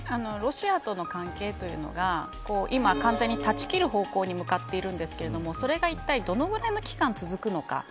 ロシアとの関係というのが今、完全に断ち切る方向に向かっているんですけどそれがいったい、どのくらいの期間続くのか。